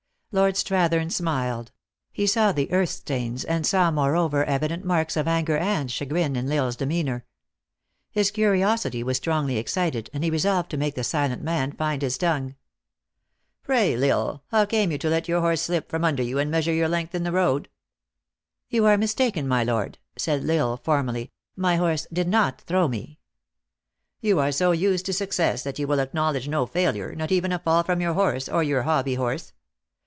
Lord Strathern smiled; he saw the earth stains, and saw, moreover, evident marks of anger and chagrin in L Isle s demeanor. His curiosity was strongly excited, and he resolved to make the silent man find his tongue. " Pray, L Isle how came you to let your horse slip from under you, and measure your length in the road ?" THE ACTKESS IN HIGH LIFE. 883 "You are mistaken, my lord," said L Isle, formally ;" my horse did not throw me." " You are so used to success that you will acknowl edge no failure, not even a fall from your horse, or your hobby horse.